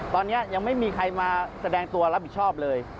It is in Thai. ตอนนี้ยังไม่มีใครมาแสดงตัวรับผิดชอบเลย